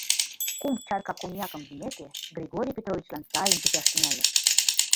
Кум чарка коньякым йӱмеке, Григорий Петровичлан сайын чучаш тӱҥале.